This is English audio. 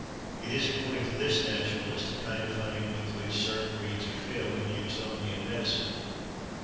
It is, according to this naturalist, a kind of honey, with which certain reeds are filled, and used only in medicine.